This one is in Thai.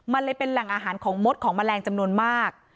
มันเลยเป็นแหล่งอาหารของมดของแมลงจำนวนมาก